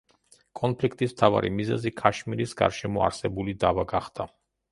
კონფლიქტის მთავარი მიზეზი ქაშმირის გარშემო არსებული დავა გახდა.